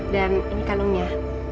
dan ini kalungnya